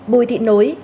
bùi thị nối